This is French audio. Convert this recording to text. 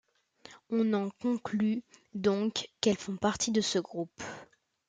On en conclut donc qu'elles font partie de ce groupe.